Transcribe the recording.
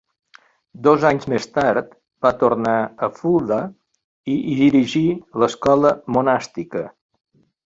Dos anys més tard va tornar a Fulda i hi dirigí l'escola monàstica.